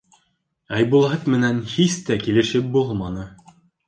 Айбулат менән һис тә килешеп булманы.